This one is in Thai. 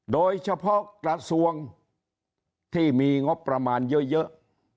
โดยเฉพาะกระทรวงที่มีงบประมาณเยอะ